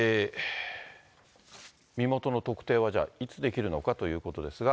身元の特定はいつできるのかということですが。